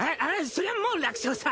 そりゃもう楽勝さ。